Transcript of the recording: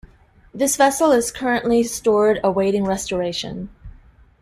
This vessel is currently stored awaiting restoration.